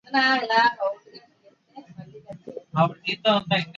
That seems kind of scary to me.